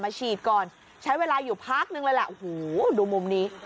มาฉีดก่อนใช้เวลาอยู่พักหนึ่งเลยล่ะโหดูมุมนี้